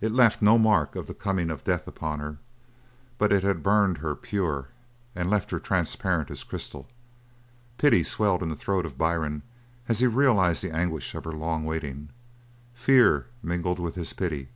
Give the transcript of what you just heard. It left no mark of the coming of death upon her. But it had burned her pure and left her transparent as crystal. Pity swelled in the throat of Byrne as he realised the anguish of her long waiting. Fear mingled with his pity.